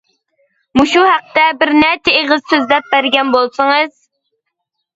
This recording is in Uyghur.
مۇشۇ ھەقتە بىرنەچچە ئېغىز سۆزلەپ بەرگەن بولسىڭىز.